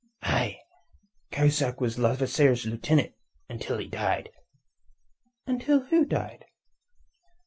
"Aye. Cahusac was Levasseur's lieutenant, until he died." "Until who died?"